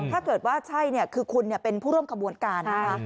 ถ้าเกิดว่าใช่คือคุณเป็นผู้ร่วมขบวนการนะคะ